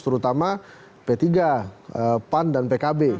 terutama p tiga pan dan pkb